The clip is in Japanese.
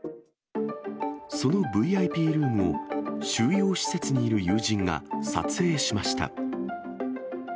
そのＶＩＰルームを、収容施設にいる友人が撮影しました。